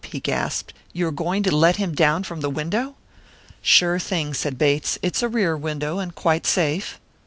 he gasped. "You are going to let him down from the window?" "Sure thing," said Bates; "it's a rear window, and quite safe."